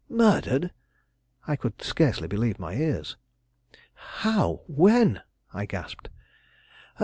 murdered!" I could scarcely believe my ears. "How? when?" I gasped.